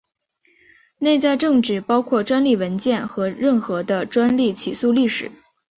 内在证据包括专利文件和任何的专利起诉历史。